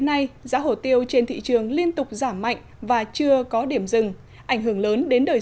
hôm nay giá hổ tiêu trên thị trường liên tục giảm mạnh và chưa có điểm dừng ảnh hưởng lớn đến đời